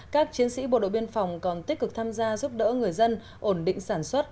các chiến sĩ bộ đội biên phòng còn tích cực tham gia giúp đỡ người dân ổn định sản xuất